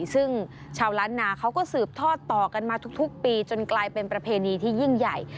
ซึ่งชาวล้านนาเขาก็สืบทอดต่อกันมาทุกปีจนกลายเป็นประเพณีที่ยิ่งใหญ่